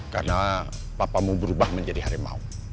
karena papamu berubah menjadi harimau